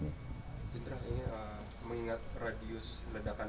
menurut saya mengingat radius ledakan yang tinggi satu km